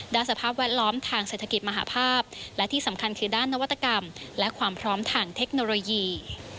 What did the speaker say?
สภาพแวดล้อมทางเศรษฐกิจมหาภาพและที่สำคัญคือด้านนวัตกรรมและความพร้อมทางเทคโนโลยี